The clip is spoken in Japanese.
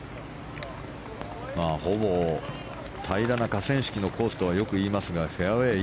ほぼ平らな河川敷のコースとはよく言いますがフェアウェー